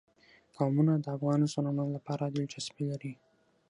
قومونه د افغان ځوانانو لپاره دلچسپي لري.